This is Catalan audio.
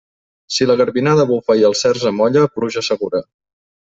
Si la garbinada bufa i el cerç amolla, pluja segura.